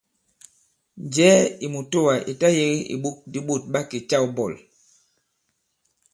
Njɛ̀ɛ ì mùtoà ì ta-yēgē ìɓok di ɓôt ɓa kè-câw bɔ̂l.